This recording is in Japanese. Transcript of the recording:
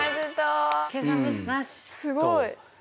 すごい。